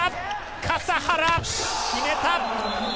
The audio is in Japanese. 笠原、決めた。